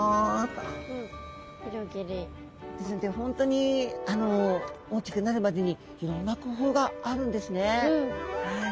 本当に大きくなるまでにいろんな工夫があるんですねはい。